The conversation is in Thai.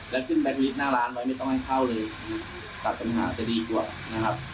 แล้วขึ้นแบตวิทย์หน้าร้านไว้ไม่ต้องให้เข้าเลยตัดปัญหาจะดีกว่านะครับ